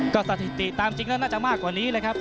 ก็สถิติตามจริงแล้วน่าจะมากกว่านี้เลยครับ